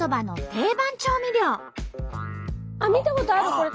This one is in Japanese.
あっ見たことあるこれ。